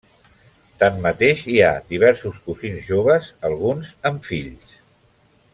Tanmateix, hi ha diversos cosins joves, alguns amb fills.